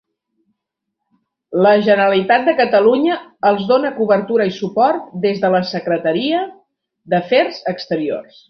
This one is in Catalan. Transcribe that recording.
La Generalitat de Catalunya els dóna cobertura i suport des de la Secretaria d'Afers Exteriors.